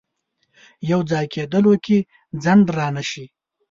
یو ځای کېدلو کې ځنډ رانه شي.